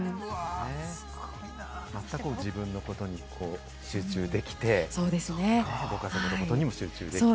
また自分のことに集中できて、ご家族のことにも集中できて。